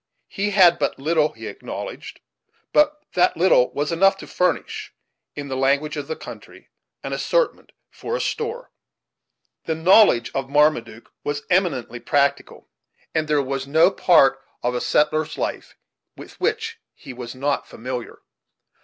He had but little, he acknowledged; but that little was enough to furnish, in the language of the country, an assortment for a store. The knowledge of Marmaduke was eminently practical, and there was no part of a settler's life with which he was not familiar.